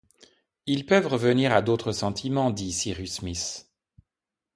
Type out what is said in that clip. Ils peuvent revenir à d’autres sentiments dit Cyrus Smith